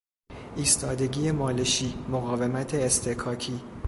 ایستادگی مالشی، مقاومت اصطکاکی